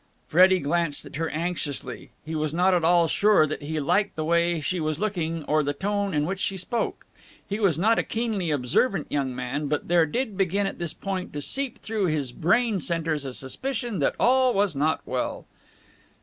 Freddie glanced at her anxiously. He was not at all sure now that he liked the way she was looking or the tone in which she spoke. He was not a keenly observant young man, but there did begin at this point to seep through to his brain centres a suspicion that all was not well.